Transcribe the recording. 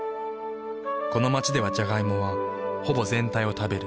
この街ではジャガイモはほぼ全体を食べる。